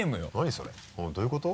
それどういうこと？